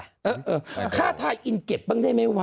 เออค่าทายอินเก็บบ้างได้ไหมวะ